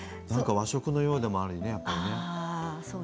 なんか和食のようでもありね。